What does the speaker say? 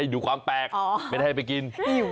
ดูความแปลกไม่ได้ให้ไปกิน